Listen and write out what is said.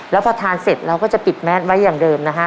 แล้วพอทานเสร็จเราก็จะปิดแมสไว้อย่างเดิมนะฮะ